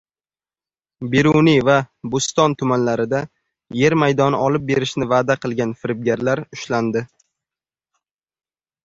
Beruniy va Bo‘ston tumanlarida yer maydoni olib berishni va’da qilgan firibgarlar ushlandi